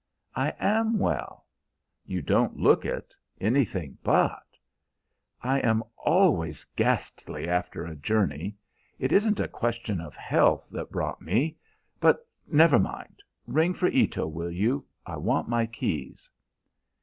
"I am well." "You don't look it anything but." "I am always ghastly after a journey. It isn't a question of health that brought me. But never mind. Ring for Ito, will you? I want my keys."